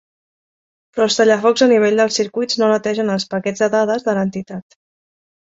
Però els tallafocs a nivell dels circuits no netegen els paquets de dades de l'entitat.